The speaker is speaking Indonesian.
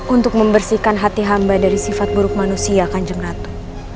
untuk membersihkan hati hamba dari sifat buruk manusia kanjeng ratu